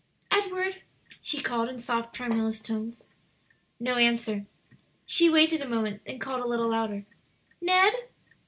"Edward!" she called in soft, tremulous tones. No answer. She waited a moment, then called a little louder, "Ned!"